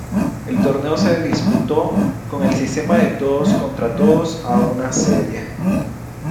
El torneo se disputó con el sistema de todos contra todos a una serie.